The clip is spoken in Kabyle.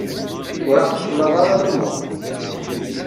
Ur aɣ-ssexlaḍ ara lumuṛ!